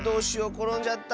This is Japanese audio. ころんじゃった。